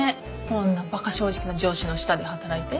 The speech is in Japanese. こんなバカ正直な上司の下で働いて。